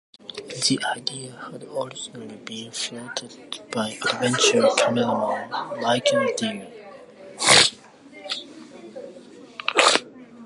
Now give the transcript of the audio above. The idea had originally been floated by adventure cameraman, Michael Dillon.